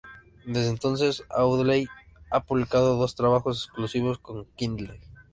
Desde entonces, Audley ha publicado dos trabajos exclusivos con Kindle.